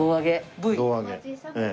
Ｖ。